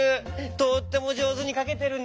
とってもじょうずにかけてるね！